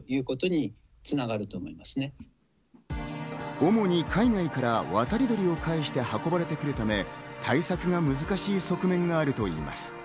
主に海外から渡り鳥を介して運ばれてくるため、対策が難しい側面があるといいます。